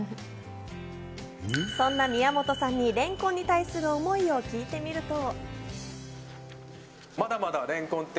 そんな宮本さんにれんこんに対する思いを聞いてみると。